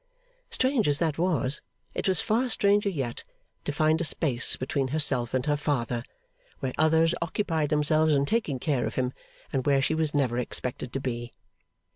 Strange as that was, it was far stranger yet to find a space between herself and her father, where others occupied themselves in taking care of him, and where she was never expected to be.